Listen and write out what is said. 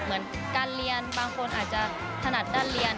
เหมือนการเรียนบางคนอาจจะถนัดด้านเรียน